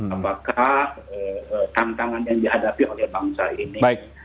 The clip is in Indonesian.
apakah tantangan yang dihadapi oleh bangsa ini